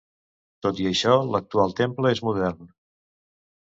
Tot i això, l'actual temple és modern.